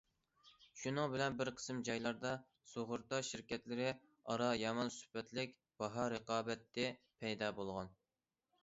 شۇنىڭ بىلەن بىر قىسىم جايلاردا سۇغۇرتا شىركەتلىرى ئارا يامان سۈپەتلىك باھا رىقابىتى پەيدا بولغان.